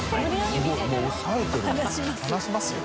「離しますよ」